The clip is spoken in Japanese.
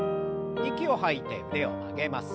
息を吐いて腕を曲げます。